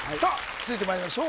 続いてまいりましょう